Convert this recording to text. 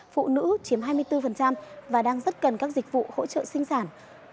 phụ nữ chiếm hai mươi bốn và đang rất cần các dịch vụ hỗ trợ sinh sản